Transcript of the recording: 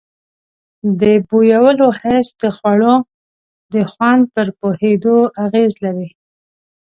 د بویولو حس د خوړو د خوند پر پوهېدو اغیز لري.